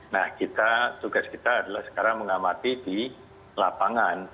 nah kita tugas kita adalah sekarang mengamati di lapangan